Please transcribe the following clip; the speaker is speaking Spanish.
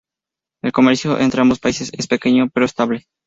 El comercio entre ambos países es pequeño pero estable.